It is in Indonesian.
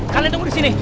kalian tunggu di sini